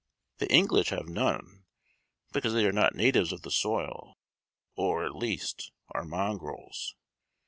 The English have none, because they are not natives of the soil, or, at least, are mongrels.